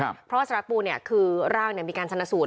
เพราะว่าสารวัตต์ปูเนี่ยคือร่างเนี่ยมีการซนสูตร